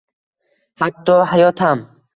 Hatto hayot ham